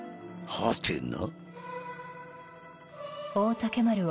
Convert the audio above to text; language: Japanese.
［はてな］